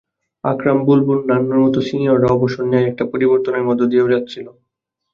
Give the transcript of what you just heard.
আকরাম, বুলবুল, নান্নুর মতো সিনিয়ররা অবসর নেওয়ায় একটা পরিবর্তনের মধ্য দিয়েও যাচ্ছিল।